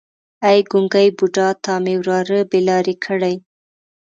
ای ګونګی بوډا تا مې وراره بې لارې کړی.